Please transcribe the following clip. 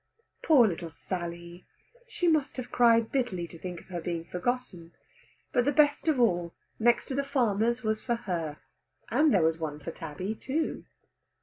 Poor little Sally! She must have cried bitterly to think of her being forgotten. But the best of all, next to the farmer's, was for her, and there was one for Tabby too.